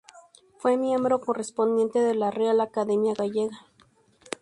Fue miembro correspondiente de la Real Academia Gallega.